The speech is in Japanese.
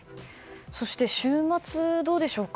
そして、週末はどうでしょうか。